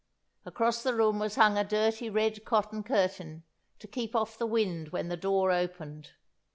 Across the room was hung a dirty red cotton curtain, to keep off the wind when the door opened.